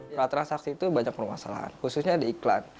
pra transaksi itu banyak permasalahan khususnya di iklan